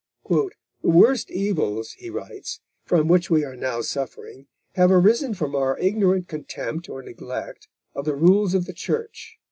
"The worst evils," he writes, "from which we are now suffering, have arisen from our ignorant contempt or neglect of the rules of the Church."